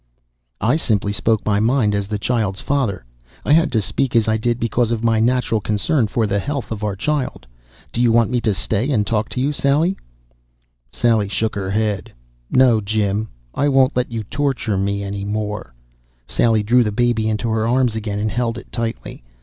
"I simply spoke my mind as the child's father. I had to speak as I did because of my natural concern for the health of our child. Do you want me to stay and talk to you, Sally?" Sally shook her head. "No, Jim. I won't let you torture me any more." Sally drew the baby into her arms again and held it tightly.